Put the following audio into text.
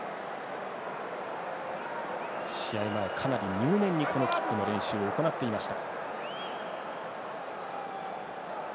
試合前、かなり入念にこのキックの練習を行っていました。